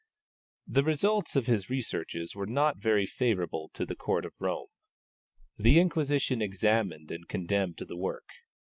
The results of his researches were not very favourable to the Court of Rome. The Inquisition examined and condemned the work.